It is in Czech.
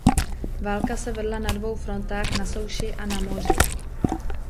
Válka se vedla na dvou frontách na souši a na moři.